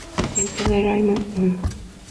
El padre Raymond Un.